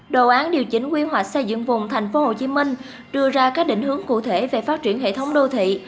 đồ án điều chỉnh quy hoạch xây dựng vùng thành phố hồ chí minh đưa ra các định hướng cụ thể về phát triển hệ thống đô thị